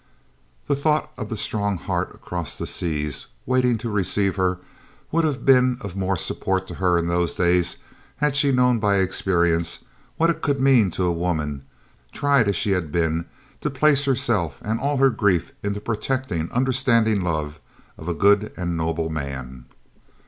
The thought of the strong heart across the seas, waiting to receive her, would have been of more support to her in those days had she known by experience what it could mean to a woman, tried as she had been, to place herself and all her grief in the protecting, understanding love of a good and noble man.